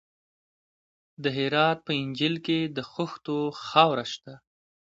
د هرات په انجیل کې د خښتو خاوره شته.